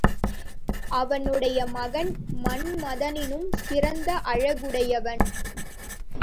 அவனுடைய மகன் மன்மதனினும் சிறந்த அழகுடையவன்.